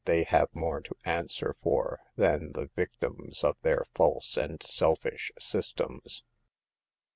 they have more to answer for than the victim* of their false and selfish systems.